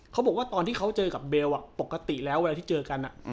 เขาบอกว่าตอนที่เขาเจอกับเบลปกติแล้วเวลาที่เจอกัน